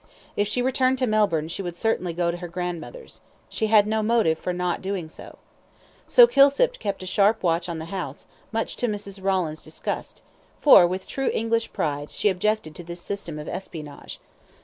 If she returned to Melbourne she would certainly go to her grandmother's. She had no motive for not doing so. So Kilsip kept a sharp watch on the house, much to Mrs. Rawlins' disgust, for, with true English pride, she objected to this system of espionage.